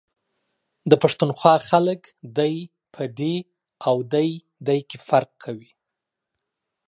د پښتونخوا خلک دی ، په دي او دی.دے کي فرق کوي ،